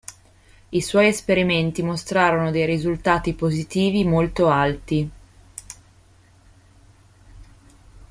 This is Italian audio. I suoi esperimenti mostrarono dei risultati positivi molto alti.